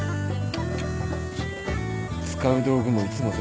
使う道具もいつもと違う。